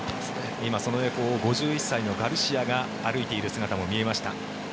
今、その横を５１歳のガルシアが歩いている姿も見えました。